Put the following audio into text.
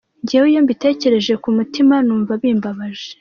Njyewe iyo mbitekereje ku mutima numva bimbabaje”.